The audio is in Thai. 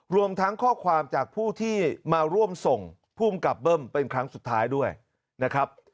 รวมทั้งข้อความจากผู้ที่มาร่วมส่งภูมิกับเบิ้มเป็นครั้งสุดท้ายด้วยนะครับ